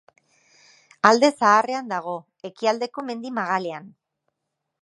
Alde Zaharrean dago, ekialdeko mendi magalean.